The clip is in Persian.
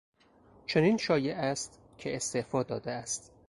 چنین شایع است که استعفا داده است.